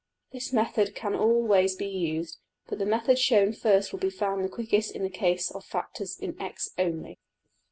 png}% This method can always be used; but the method shown first will be found the quickest in the case of factors in~$x$ only.